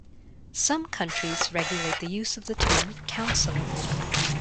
Some countries regulate the use of the term "counselor".